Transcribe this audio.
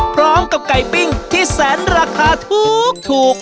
พร้อมกับไก่ปิ้งที่แสนราคาถูก